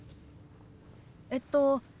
えっと。